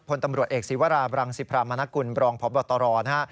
พลตำรวจเอกศิวราบรังสิพรามนกุลบรองพบตรนะฮะ